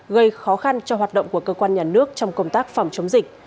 gây khó khăn cho hoạt động của cơ quan nhà nước trong công tác phòng chống dịch